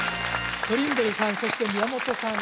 トリンドルさんそして宮本さん